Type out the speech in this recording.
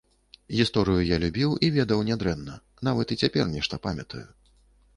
Гісторыю я любіў і ведаў нядрэнна, нават і цяпер нешта памятаю.